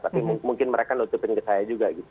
tapi mungkin mereka nutupin ke saya juga gitu